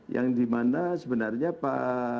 yang dimana sebenarnya pak